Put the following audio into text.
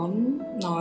nhưng mà chị